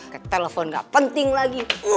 ke telepon gak penting lagi